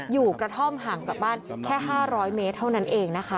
กระท่อมห่างจากบ้านแค่๕๐๐เมตรเท่านั้นเองนะคะ